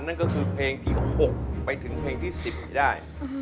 นั่นก็คือเพลงที่๖ไปถึงเพลงที่๔ได้